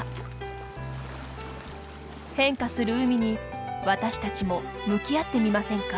変化する海に私たちも向き合ってみませんか？